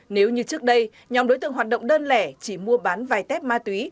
nếu như trước đây nhóm đối tượng hoạt động đơn lẻ chỉ mua bán vài tép ma túy